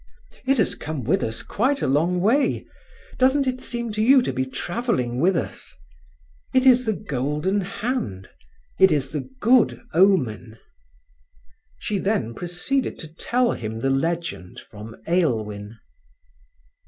"It has come with us quite a long way. Doesn't it seem to you to be travelling with us? It is the golden hand; it is the good omen." She then proceeded to tell him the legend from "Aylwin".